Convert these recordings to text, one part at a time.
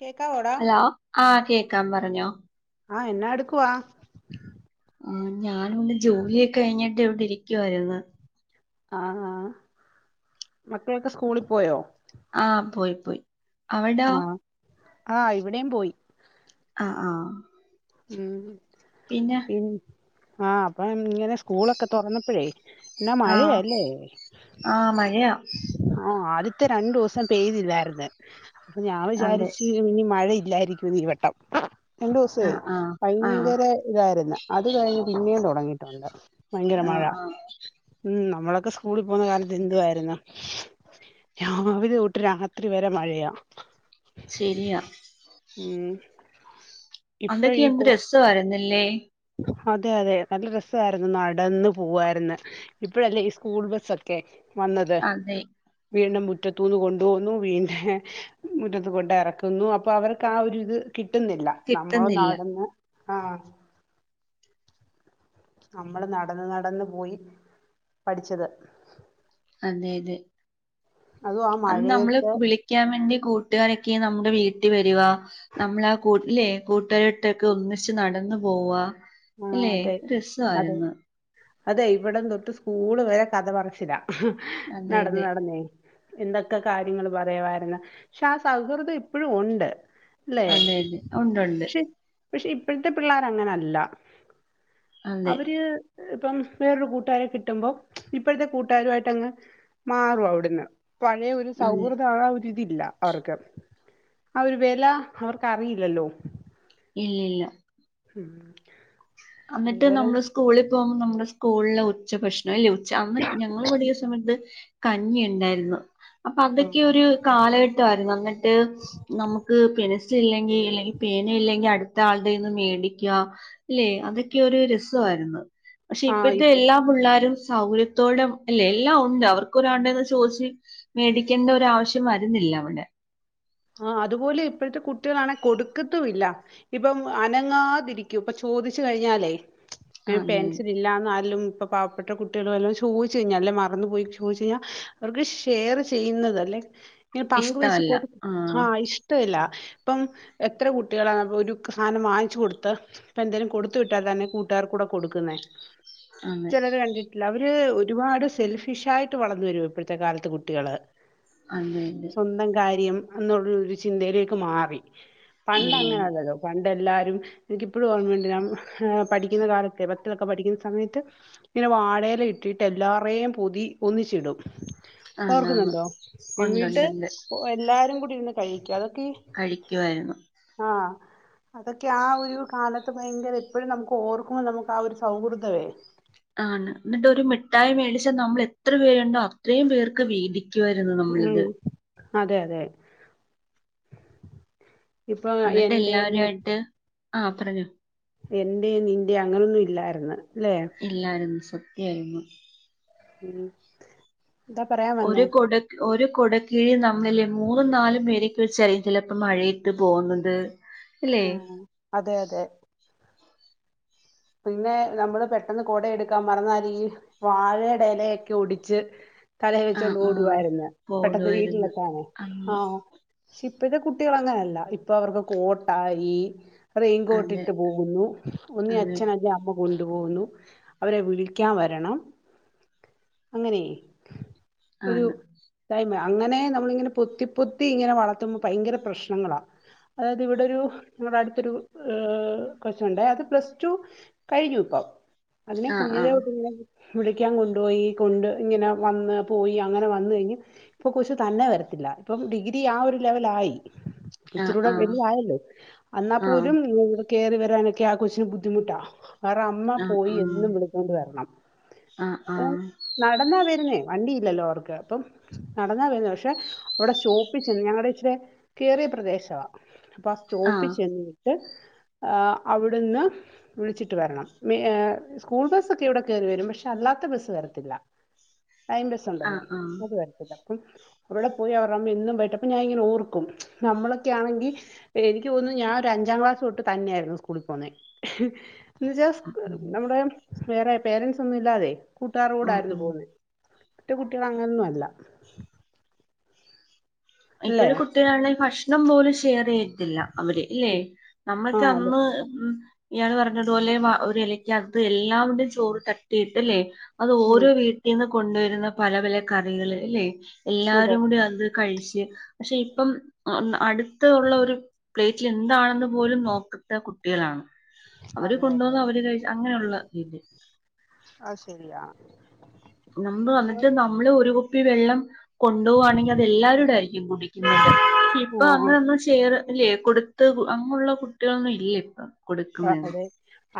കേക്കാവോടാ hello ആഹ് കേക്കാം പറഞ്ഞോ ആഹ് എന്നാടുക്കുവാ ആഹ് ഞാനുന്ന് ജോലിയൊക്കെ കഴിഞ്ഞിട്ട് ഇവിടെ ഇരിക്കുവാര്ന്ന് ആ ആ മക്കളൊക്കെ സ്കൂളി പോയോ ആ പോയി പോയി അവടോ ആഹ് ആഹ് ഇവടെം പോയി ആഹ് ആഹ് ഉം പിന്ന ഉം ആ അപ്പങ്ങ് ഇങ്ങനെ സ്കൂളൊക്കെ തൊറന്നപ്പഴേ എന്നാ ആ മഴയാല്ലേ ആ മഴയാ ആ അദ്യത്തെ രണ്ടുസം പെയ്തില്ലാര്ന്ന് അപ്പ ഞാൻ അതെ വിചാരിച്ച് ഇനി മഴ ഇല്ലാരിക്കുന്ന് ഈവട്ടം രണ്ടുസേ ആ ആ ആ ഭയങ്കര ഇതാര്ന്ന് അത് കഴിഞ്ഞ് പിന്നേം തൊടങ്ങിട്ടൊണ്ട് ഭയങ്കര ആ മഴ ആ ഉം നമ്മളൊക്കെ സ്കൂളി പോകുന്ന കാലത്ത് എന്തുവായ്ര്ന്നു രാവിലെ തൊട്ട് രാത്രി വരെ മഴയാ ശെരിയാ ഉം ഇപ്പ അന്നൊക്കെ ഈ എന്ത് കോ രസവായ്രുന്നല്ലേ അതെ അതെ നല്ല രസവാര്ന്ന് നടന്നു പോവാര്ന്ന് ഇപ്പഴല്ലേ ഈ സ്കൂൾ ബസ്സൊ‌ ക്കെ വന്നത് അതെ വീടിന്റെ മുറ്റത്തൂന്ന് കൊണ്ടുപോകുന്നു വീന്റെ മുറ്റത്ത് കൊണ്ടെറക്കുന്നു അപ്പൊ അവർക്കാ ഒരു ഇത് കിട്ടുന്നില്ല നമ്മള് കിട്ടുന്നില്ല നടന്ന് ആഹ് നമ്മള് നടന്ന് നടന്ന് പോയി പഠിച്ചത് അതെ അതെ അതും ആ അത് നമ്മള് മഴയത്ത് വിളി ക്ക്യാൻ വേണ്ടി കൂട്ടുകാരൊക്കെ നമ്മുടെ വീട്ടി വരുവാ നമ്മളാ കൂ ല്ലേ കൂട്ടുകാരാട്ടൊക്ക് ഒന്നിച്ച് നടന്ന് പോവാ ആഹ് അല്ലേ അതെ അതെ രസമായിരുന്നു അതെ ഇവിടം തൊട്ട് സ്കൂള് വരെ കഥ പറച്ചില അതെ നടന്ന് അതെ നടന്നേ എന്തൊക്കെ കാര്യങ്ങള് പറയുവാര്ന്ന് പക്ഷെ ആ സൗഹൃദം ഇപ്പൊഴും ഒണ്ട് ല്ലേ അതെ അതെ ഉണ്ടുണ്ട് പക്ഷെ പക്ഷെ ഇപ്പഴ്ത്തെ പിള്ളാരങ്ങനല്ല അതെ അവര് ഇപ്പം വേറൊരു കൂട്ടുകാരെ കിട്ടുമ്പോ ഇപ്പഴത്തെ കൂട്ടുകാരുവായിട്ടങ്ങ് മാറും അവ്ട്ന്ന് പഴേ ഒ ഒര് അതെ സൗഹൃദ ആ ഒരിതില്ല അവർക്ക് ആ ഒരു വെല അവർക്കറിയില്ലല്ലോ ഇല്ലില്ല ഉം അന്നിട്ട് അതുപോലെ നമ്മള് സ്കൂളി പോവുമ്പം നമ്മുടെ സ്കൂൾല് ഉച്ചഭക്ഷണം ഇല്ല്യെ ചന്ന് ഞങ്ങള് പഠിക്ക്ന്ന സമയത്ത് കഞ്ഞി ഉണ്ടായിരുന്നു അപ്പ ആ അതക്കെ ഒര് കാലഘട്ടം ആയിരുന്നു അങ്ങേൻ ത്തെ നമുക്ക് പെന്സ് ഇല്ലെങ്കി ഇല്ലെങ്കി പേന ഇല്ലെങ്കി അട്ത്ത ആൾടേന്ന് മേടിക്കാ ഇല്ലെ അതൊക്കെ ഒരു രസവായിരുന്ന് പക്ഷെ ആ, ഇപ്പത്തെ എല്ലാം പുള്ളാരും സൗകര്യത്തോടം അല്ലേ എല്ലാം ഒണ്ട് അവർക്ക് ഒരാൾടേന്ന് ചോദിച്ച് മേടിക്കണ്ട ഒരു ആവശ്യം വരുന്നില്ല അവടെ ആ അതുപോലെ ഇപ്പഴ്ത്തെ കുട്ടികളാണെ കൊടുക്കത്തു ഇല്ല ഇപ്പം അനങ്ങാതിരിക്കും ഇപ്പം ചോദിച്ച് കഴിഞ്ഞാലേ അതെ പെൻസില് ഇല്ലാന്ന് ആര്ലും ഇപ്പം പ പ്പട്ട കുട്ടികള് വല്ലോം ചോദിച്ചു കഴിഞ്ഞ അല്ലേ മറന്നു പോയി ചോഴിച്ചു കഴിഞ്ഞ അവർക്ക് ഷെയറ് ചെയ്യുന്നത് അല്ലെ ഇങ്ങനെ പങ്ക് വെച്ച് ഇഷ്ടമല്ല കൊട് ആഹ് ഇഷ്ടവില്ല ഇപ്പം എത്ര കുട്ടികളാണ് ഒരു സാനം വാങ്ങിച്ചു കൊടുത്ത ഇപ്പം എന്തേലും കൊടുത്ത് വിട്ടാ തന്നെ കൂട്ടുകാർക്കൂടെ കൊടുക്ക്ന്ന് അതെ ചെലര് കണ്ടി ട്ടില്ല അവര് ഒരുപാട് സെൽഫിഷ് ആയിട്ട് വളന്ന് വരുവ ഇപ്പഴ്ത്തെ കാലത്തെ കുട്ടികള് അത് തന്നെ സ്വന്തം കാര്യം എന്നുള്ള ഒരു ചിന്തയിലേക്ക് മാറി പണ്ട് അങ്ങന അല്ലല്ലോ പണ്ട് എല്ലാരും എനിക്കിപ്പഴും ഓർമയുണ്ട് നം ഹേ പഠിക്കുന്ന കാലത്തെ പത്തിലൊക്കെ പഠിക്കുന്ന സമയത്ത് ഇങ്ങനെ വാഴയെല ഇട്ടിട്ട് എല്ലാറെം പൊതി ഒന്നിച്ചിടും ഇപ്പ ആന്നാന്ന് ഓർക്കുന്നുണ്ടോ എന്നീട്ട് ഉണ്ടുണ്ടുണ്ട് എല്ലാരും കൂടി ഇരുന്ന് കഴിക്കും അതൊക്കെ കഴിക്കുവാഴിരുന്നു ആ അതൊക്കെ ആ ഒരു കാലത്ത് ഭയങ്കര ഇപ്പഴും നമുക്ക് ഓർക്കുമ്പം നമുക്ക് ആ ഒര് സൗഹൃദവേ ആണ് ന്നിട്ട് ഒര് മിട്ടായി മേടിച്ച നമ്മള് എത്ര പേരുണ്ടോ അത്രയും പേർക്ക് വീദി ഉം അതെ അതെ ഇപ്പം എന്നിട്ട് എന്റെ നി എല്ലാവരുമായിട്ട് ആ പറഞ്ഞോ എന്റെ നിന്റെ അങ്ങനൊന്നു ഇല്ലായിര്ന്ന് ല്ലേ ഇല്ലായിരുന്ന് സത്യായിരുന്നു ഉം എന്താ പറയാം ഒരു കൊട ഒരു കൊട കീഴിൽ നമ്മളില്ലേ മൂന്നും നാലും പേരെക്കെ വെച്ചാരിക്കില്ലേ ഇപ്പം മഴയത്ത് പോന്നത് ഇല്ലേ ആ അതെ അതെ പിന്നെ നമ്മള് പെട്ടെന്ന് കൊട എടുക്കാം മറന്നാല് വാഴേടെ എലെയെക്കെ ഒടിച്ച് തലേ ആ വെച്ചോണ്ട് ആ ഓടുവായ്ര്ന്ന് പെട്ടെന്ന് പോകുമായിരുന്നു വീട്ടിലെത്താന് ആ അന്ന് പക്ഷെ ഇപ്പഴ്ത്ത കുട്ടികള് അങ്ങനല്ല ഇപ്പ അവർക്ക് കോട്ടായി റെയിൻകോട്ട് അതെ ഇട്ട് പോവുന്നു ഒന്നീ അ അതെ രെ അമ്മ കൊണ്ടുപോവുന്നു അവരെ വിളിക്കാം വരണം അങ്ങനെ ഒരു ആണ് ത്തായ്മയ അങ്ങനെ നമ്മളിങ്ങനെ പൊത്തിപ്പൊത്തി ഇങ്ങനെ വളത്തുമ്പം ഭയങ്കര പ്രശ്നങ്ങളാ അതായത് ഇവിടെ ഒരൂ നമ്മടെ അടുത്തൊരൂ ഏ കൊച്ചൊണ്ടേ അത് പ്ലസ് ടു കഴിഞ്ഞു ഇപ്പം അതിനെ ആ ആ കുഞ്ഞിലെതൊട്ടിങ്ങനെ വിളിക്കാൻ കൊണ്ടുപോയി കൊണ്ട് ഇങ്ങനെ വന്ന് പോയി അങ്ങനെ വന്ന് കഴിഞ്ഞ് ഇപ്പം കൊച്ച് തന്നെ വരത്തില്ല ഇപ്പം ഡിഗ്രി ആ ഒരു ലെവലായി ആ ഇച്ചിരൂടെ ആ ആ വലുതായല്ലോ അന്നാ ആ പോലും ഇവിടെ കയറി വരാനൊക്കെ ആ കൊച്ചിന് ബുദ്ധി ബുദ്ധിമുട്ടാ അവര്ട അമ്മ പോയി എന്നും വിളിച്ചോണ്ട് വരണം ആ ആ ഏ ആ നടന്നാ വരുന്നേ വണ്ടി ഇല്ലല്ലോ അവർക്ക് അപ്പം നടന്നാ വരുന്നെ പക്ഷെ അവിടെ സ്റ്റോപ്പിച്ചെന്ന് ഞങ്ങടെ ഇച്ചിരി കേറിയ പ്രദേശമാണ് പാസ് ആഹ് സ്റ്റോപ്പിച്ചെന്നിട്ട് ഏ അവിടുന്ന് വിളിച്ചിട്ട് വരണം സ്കൂൾ ബസ് ഒക്കെ ഇവിടെ കയറി വരും പക്ഷെ അല്ലാത്ത ബസ്സ് വരത്തില്ല. യിമ്പസ് ഉണ്ടല്ലോ ആഹ് ആഹ് അത് വരത്തില്ല അപ്പം അവിടെ പോയി അവരുടെമ്മ എന്നും പോയിട്ട് അപ്പൊ ഞാൻ ഇങ്ങനെ ഓർക്കും നമ്മളൊക്കെ ആണെങ്കിൽ എനിക്ക് തന്നുന്നു ഞാന ഒരു അഞ്ചാം ക്ലാസ് തൊട്ട് തന്നെയായിരുന്നു സ്കൂളിൽ പോന്ന എന്ന് വച്ചാ ആഹ് ആഹ് നമ്മുടെ വേറെ പേരൻറ്സ് ഒന്നും ഇല്ലാതെ കൂട്ടുകാർ ആഹ് കൂടായിരുന്നു ഉം പോകുന്നത് മറ്റേ കുട്ടികൾ അങ്ങനൊന്നും അല്ല ഇപ്പഴ അല്ലേ ഒരു കുട്ടികളാണ്ഈ ഭക്ഷണം പോലും ഷെയർ ചെയ യ്യത്തില്ല അവര് ഇല്ലേ ആ നമ്മളൊക്കെ അതെ അന്ന് ഉ ഇയാള് പറഞ്ഞതുപോലെ ഒരു ഇലക്ക് അകത്ത് എല്ലാവരുടെയും ചോറ് തട്ടിയിട്ട ല്ലേ അത് ഉം, ഓരോ വീട്ടിൽ നിന്ന് കൊണ്ടുവരുന്ന പല പല കറികൾ അല്ലെ അതെ എല്ലാരും കൂടി അത് കഴിച്ച പക്ഷെ ഇപ്പം അടുത്ത ഉള്ള ഒരു പ്ലേറ്റിൽ എന്താണെന്ന് പോലും നോക്കത്ത കുട്ടികളാണ് അവര് അതെ അതെ കൊണ്ടുവന്ന് അവര് കഴ അങ്ങനെയുള്ള ഇതില് ആഹ് ശരിയാാ നമ്മള് വന്നിട്ട് നമ്മള് ഒരു കുപ്പി വെള്ളം കൊണ്ടുപോവുകവാണെങ്കിൽ അത് എല്ലാരൂട ആയിരിക്കും കുടിക്കുന്നുണ്ട് ഇപ്പൊ ആ അങ്ങനെ ഒന്നും ചെയറ്ല്ല ഇല്ലെ കൊട് അങ്ങുള്ള കുട്ടികളൊന്നും ഇല്ല ഇപ്പൊ ആഹ അതെ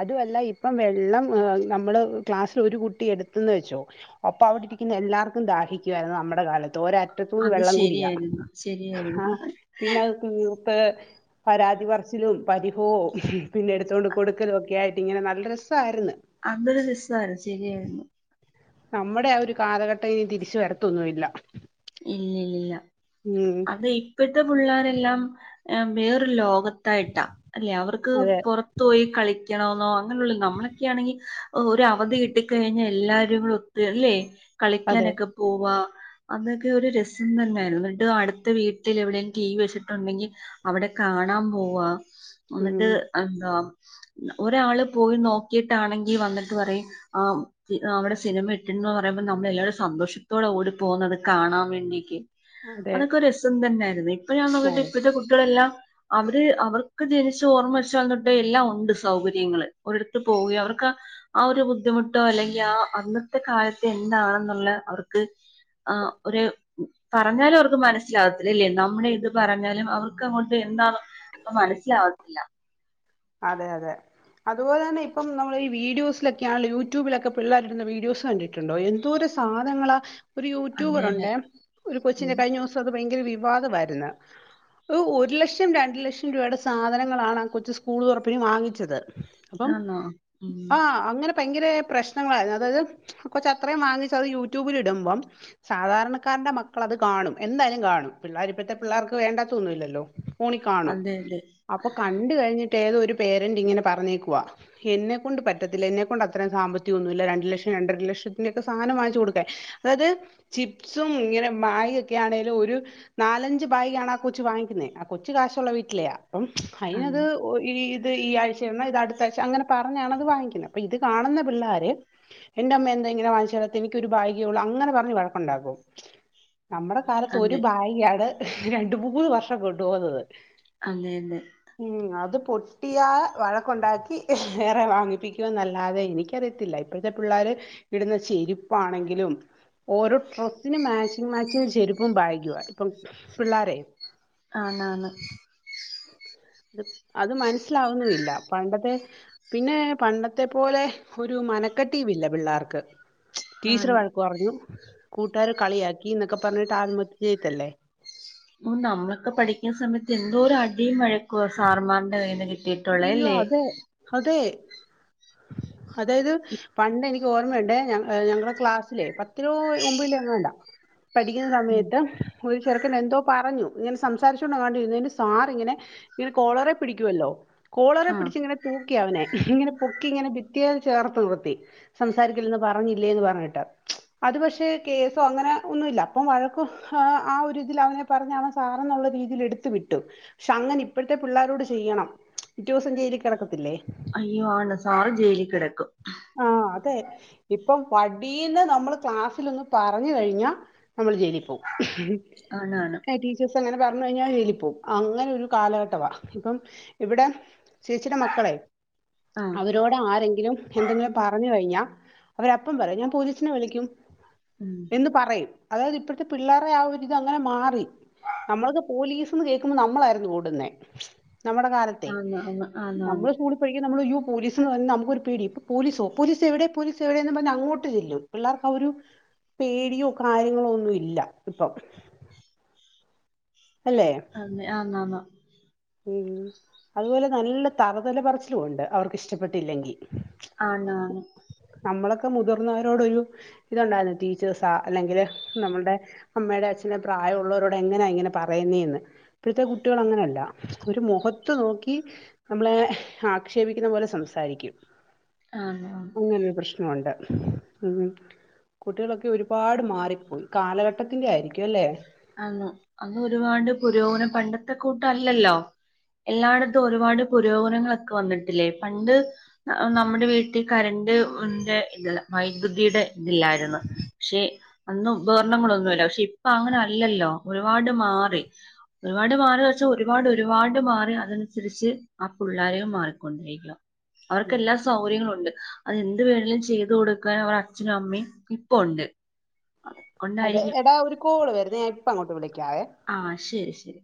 അതുമല്ല ഇപ്പം വെള്ളം നമ്മള് ക്ലാസ്സിൽ ഒരു കുട്ടി എടുത്തന്ന് വെച്ചോ അപ്പൊ അവിടെ ഇരിക്കുന്ന എല്ലാർക്കും ദാഹിക്കുയിരുന്നു നമ്മുടെ കാലത്ത് ഒ മുറ്റത്തുന്ന് അത് വെള്ളം കുടിയാ ശരിയായിരുന്നു ശരിയായിരുന്നു ആഹ പിന്നെ അഹ് തീർത്ത് പരാതി പർച്ചിലും പരിഭവും പിന്നെ എടുത്തുക കൊണ്ട് കൊടുക്കലൊക്കെ ആയിട്ട് ഇങ്ങനെ നല്ല രസമായിരുന്നു. അന്തൊരു രസ ശരിയായിരുന്നു നമ്മുടെ ആ ഒരു കാലഘട്ടം ഇനി തിരിച്ച വരത്തൊന്നുമില്ല ഇല്ലല്ലില്ല ഉം അത് ഇപ്പോഴത്തെ പിള്ളേരെല്ലാം വേറൊരു ലോക യിട്ട അല്ലെ അവർക്ക് അതെ പുറ പോയി കളിക്കണമെന്നോ അങ്ങനെയുള്ളള്ള നമ്മളൊക്കൊണെങ്കിൽ് ഒരു അവധി കിട്ടിക്കഴിഞ്ഞാൽ എല്ലാവാരും അല്ലെ അതെ കളിക്കാനൊക്കെ പോവാ അന്നെക്കെ ഒരു രസം തന്നെയായിരുന്നു എന്നിട്ട് അടുത്ത വീട്ടിൽ എവിടെും ടീ വെച്ചിട്ടുണ്ടെങ്കിൽ അവിടെ കാണാൻ പോവാ എന്നിട്ട് ഉം എന്താ ഒരാള് പോയി നോക്കിട്ടാണെങ്കിൽ വന്നിട്ട് പറയും ആ അവിടെ സിനിമ ഇട്ടിന്ന് പറയുമ്പോ നമ്മളെല്ലാവരും സന്തോഷത്തോടെ ഓടി പോകുന്നത് കാണാൻ വേണ്ടിക്കും അതെ അതൊക്കെ രസം തന്നെയായിരുന്നു ഇപ്പൊ ഞാൻ നോക്കിട്ട് അതെ ഇപ്പഴത്തെ കുട്ടികളെല്ലാം അവര് അവർക്ക് ജനിച്ച ഓർമ്മ വച്ചന്നിട്ട എല്ലാം ഉണ്ട് സൗകര്യങ്ങള് ഒരിടത്ത് പോവയും അവർക്ക് ആഹ് ഒരു ബുദ്ധിമുട്ടോ അല്ലെങ്കിൽ ആ അന്നത്തെ കാലത്ത് എന്താണെന്നുള്ള അവർക്ക് ആഹ് ഒര് പറഞ്ഞാലും അവർക്ക് മനസ്സിലാകത്തില്ലല്ലേ നമ്മുടെ ഇത് പറഞ്ഞാലും അവർക്ക് അങ്ങോട്ട് എന്താണോ അപ്പ മനസ്സിലാവത്തില്ല അതെ അതെ അതുപോലെ തന്നെപ്പ നമ്മൾ ഈീഡിയോസൊക്കെയണല്ല യൂട്യൂബിലൊക്കെ പിള്ളേരിടുന്ന വീഡോ കണ്ടി് ണ്ടോ എന്തോര സാധനങ്ങ ഒരു അതെ അതെ യൂട്യൂബറുണ്ട് ഒരു കൊച്ചിന്റെ ഉം കഴിഞ്ഞ സം അത് ഭയങ്കര വിവാദമായിരുന്നു ഒരു ലക്ഷം രണ്ടു ലക്ഷം രൂപയുടെ സാധനങ്ങളാണ് കൊച്ചു സ്കൂൾ തുറപ്പിന് വാങ്ങിച്ചത് അപ്പം ആണോ ഉം ആ അങ്ങനെ ഭയങ്കര പ്രശ്നങ്ങളായിരുന്നു അതായത് കൊറച്ച അത്രയും വാങ്ങിച്ച അത് യൂട്യൂബില ഇടുമ്പം സാധാരണക്കാരന്റെ മക്കള അത് കാണും എന്തായാലും കാണും പിള്ളേർ ഇപ്പോഴത്തെ പിള്ളേർക്ക് വേണ്ടാത്തൊന്നുംല്ലല്ലോ ണ കാണും അതെ അതെ അപ്പൊ കണ്ട കഴിഞ്ഞിട്ട് ഏതോ ഒരു പേരന്റ് ഇങ്ങനെ പറഞ്ഞേക്കുവ എന്നെക്കൊണ്ട് പറ്റത്തില്ല എന്നെക്കൊണ്ട് അത്രം സാമ്പത്തികംൊന്നുമ ഇല്ല രണ്ടു ലക്ഷം രണ്ട രര ലക്ഷത്തിന്റെറെൊക്കെ സാധന വാങ്ങച്ച് കൊടുക്കേ അതായത് ചിപ്സും ഇങ്ങനെ വായ ഒക്കെ ആണെങ്കലും ഒരു നാലഞ്ചു ബഗാണ് ആ കൊച്ചു വാങ്ങിക്കുന്നത് ആ കൊച്ചു കാശുള്ള വീട്ടിലെയ അപ്പം അതെ അയിനത് ഓഹ് ഇത് ഈ ആഴ്ച എന്നൽ ഇത് അടുത്ത ആഴ്ച അങ്ങനെ പറഞ്ഞാണ്ത് വാങ്ങിക്കുന്നത് അപ്പൊ ഇത് കാണുന്ന പിള്ളാര് എന്റെ അമ്മ എന്തെങ്ങനെ വാങ്ങിച്ചുരാത്ത എനിക്കൊരു ഭാഗ്യേ ഉള്ളു അങ്ങനെ പറഞ്ഞ് വഴക് ണ്ടാകും നമ്മുടെ കാലത്ത് ഒരു അതെ ഭാഗ്യാണ് രണ്ട് മൂന്ന് വർഷം കൊണ്ടു പോകുന്നത് അങ്ങേ ന്നെ ഉം അ അത് പൊട്ടിയാ വഴക്കുണ്ടാക്കി വേറെ വാങ്ങിപ്പിക്കുമെന്നല്ലാതെ എനിക്കറിയത്തില്ല ഇപ്പോഴ്ത്തെ പിള്ളേർ ഇടുന്ന ചെരിപ്പാണെങ്കിലും ഓരോ ഡ്രസ്സിന് മാച്ചിങ്ങ് മാച്ചിങ് ചെരുപ്പും ബാഗി ഇപ്പം പിള്ളാരേ ആണ് ആണ് അത് മനസ്സിലാവുന്നു ല്ല പണ്ടത്തെ പിന്നെ പണ്ടത്തെ പോലെ ഒരു മനക്കെട്ടിയും ഇല്ല പിള്ളേർക്ക് ടീച്ചർ ആണ് വഴക്ക് പറഞ്ഞു കൂട്ടുകാര് കളിയാക്കി എന്നൊക്കെ പറഞ്ഞിട്ട് ആത്മഹത്യ ചെയ്തല്ലേ ഓ നമ്മളൊക്കെ പഠിക്കുന്ന സമയത്ത് എന്തോ ഒരു അടിയും വഴക്കുവാ സാർമാറിന്റെ കയ്യിൽ നിന്ന് യ്യോ അതെ അതെ അതായത് ഇപ് പണ്ട് എനിക്ക് ഓർമ്മയുണ്ട് ഞ ഞങ്ങളടെ ക്ലാസ്സിലേ പത്തിറമുമ്പില ങാണ്ട പഠിക്കുന്ന ഉം സമയത്ത് ഒരു ചെറുക്കൻ എന്തോ പറഞ്ഞു ഇങ്ങനെ സംസാരിച്ചോണ്ട രുന്നതിന് സാറി ഇങ്ങനെ കോളറെ പിടിക്കുവല്ലോ കോളറെ ആഹ് പിടിച്ച് ഇങ്ങനെ തൂക്കി അവനെ ഇങ്ങനെ പൊക്കി ഇങ്ങനെ ഭിത്തിയൽ ചേർത്ത് നിർത്തി സംസാരിക്കില്ലന്ന് പറഞ്ഞില്ലേന്ന് പറഞ്ഞിട്ട് അത് പക്ഷേ കേസോ അങ്ങനെ ഒന്നുംല്ല അപ്പം വഴക്കും ആഹ് ആ ഒരുതി ഇതില് ങ്ങനെ പറഞ്ഞൻ സാർന്നുള്ള രീതിയിൽ എടുത്തു വിട്ടും പക്ഷെ അങ്ങനെ ഇപ്പോഴത്തെ പിള്ളാരോട് ചെയ്യണം പിറ്റേ സം ജയിലിൽ കിടക്കത്തില്ലേ അയ്യോ ആണ് സാറ് ജയില് കിടക്കും ആഹ് അതെ ഇപ്പം വടിന്ന് നമ്മൾ ക്ലാസ്സിലൊന്ന് പറഞ്ഞു കഴിഞ്ഞാൽ നമ്മൾ ജയിലിൽ പോവും ആണ് ആണ് അ [unintelligible] ചേർസ് എങ്ങനെ പറഞ്ഞു കഴിഞ്ഞാൽ ജയിൽപ്പോകും അങ്ങനെ ഒരു കാലഘട്ടമാണ് ഇപ്പം ഇവിടം ചേച്ചി ടെ മക്കളെ ആഹ് അവരോട് ആരെങ്കിലും എന്തെങ്കിലും പറഞ്ഞു കഴിഞ്ഞാൽ അവരപ്പം പറയും ഞാൻ പോലീസിനെ വിളിക്കും ഉം എന്ന് പറയും അതായത് ഇപ്പോഴത്തെ പിള്ളേരെ ആ ഒരുരിത അങ്ങനെ മാറി നമ്മളക്ക് പോലീസ്ന്ന് കേൾക്കുമ്പോ നമ്മളായിരുന്നു ഓടുന്നെ നമ്മുടെ കാലത്ത് തെ ആന്ന് ആന്ന് ആന്ന് നമ്മള് ആന്ന് സ്കൂളിൽ പഠിക്കുമ്പോ നമ്മള് യ്യോ പോലീസി നമുക്കൊരു പേടി പോലീസോ പോലീസ് എവിടെ പോലീസ് എവിടെയന്ന് പറഞ്ഞാ അങ്ങോട് ചെല്ലും പിള്ളർക്ക ആ ഒരു പേടിയോ കാര്യങ്ങളോ ഒന്നും ഇല്ല ഇപ്പം അല്ലേ ആന്നെ ആന്നന്ന ഉംമ് അതുപോലെ നല്ല തറ്തല പറച്ചിലും ഉണ്ട് അവർക്കിഷ്ടപ്പെട്ടില്ലെങ്കിൽ ആണ് ആണ് നമ്മളൊക്കെ മുതിർന്നവരോട ഒരു ഇത്ണ്ടായിരുന്നു ടീച്ചേഴ്സാ അല്ലെങ്കില് നമ്മളുടെ അമ്മയുടെ അച്ഛന പ്രായമുള്ളവരോട് എങ്ങനാ ഇങ്ങനെ പറയുന്നേ ന്ന് ഇപ്പോഴത്തെ കുട്ടികൾ അങ്ങനെയല്ല ഒരു മുഖത്ത് നോക്കി നമ്മളെ ആക്ഷേപിക്കുന്ന പോലെ സംസാരിക്കും ആഹ് അങ്ങനെരു പ്രശ്നമുണ്ട് ഉം കുട്ടികളൊക്കെ ഒരുപാട് മാറിപ്പോയി കാലഘട്ടത്തിന്റെ ആയിരിക്കും അല്ലേ ആന്ന് അന്ന് ഒരുപാട് പുരോഗന പണ്ടത്തെ കൂട്ടല്ലല്ലോ എല്ലായിടത്തും ഒരുപാട് പുരോഗനങ്ങളൊക്കെ വന്നിട്ടില്ലേ പണ്ട് നമ്മുടെ വീട്ടിൽ കരണ്ട്ന്റെ ഇതല്ല വൈദ്യുതിയുടെ ഇതില്ലായിരുന്നു പക്ഷെ അന്നും ഉപകരണങ്ങളൊന്നുമില്ല പക്ഷെ ഇപ്പ അങ്ങനെ അല്ലല്ലോ ഒരുപാട് മാറി ഒരുപാട് മാറി വെച്ചാ ഒരുപാട് ഒരുപാട് മാറി അതനുസരിച്ച് ആ പിള്ളാരെയും മാറിക്കൊണ്ടിരിക്ക ഉം അവർക്കെല്ലാ സൗകര്യങ്ങളുണ്ട് അതെന്ത് വേണങ്കിലും ചെയ്ത് കൊടുക്കാൻ അവരുടെ അച്ഛനും അമ്മയും ഇപ്പ ഉണ്ട് അതെ കൊണ്ടായിരിക്കും എടാ ഒരു കോള് വരുന്നത് ഞാൻ ഇപ്പ അങ്ങോട്ട് വിളിക്കാവെ ആ ശരി ശരി